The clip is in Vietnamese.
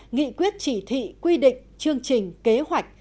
nghị quyết chỉ thị quy định chương trình kế hoạch